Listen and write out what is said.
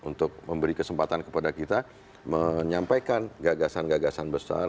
untuk memberi kesempatan kepada kita menyampaikan gagasan gagasan besar